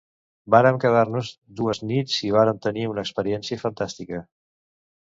Vàrem quedar-nos dues nits i vàrem tenir una experiència fantàstica.